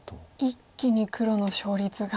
一気に黒の勝率が。